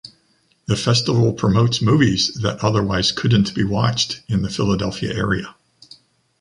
The festival promotes movies that otherwise couldn’t be watched in the Philadelphia area.